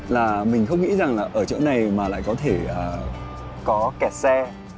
là mình không nghĩ rằng là ở chỗ này mà lại có thể có kẹt xe